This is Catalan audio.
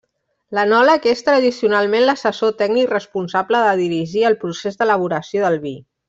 L'enòleg és, tradicionalment, l'assessor tècnic responsable de dirigir el procés d'elaboració del vi.